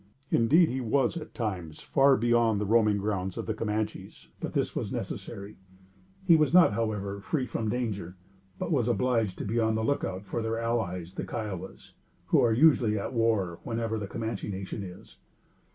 Indeed he was, at times, far beyond the roaming grounds of the Camanches, but this was necessary. He was not, however, free from danger; but was obliged to be on the lookout for their allies, the Kiowas, who are usually at war whenever the Camanche nation is.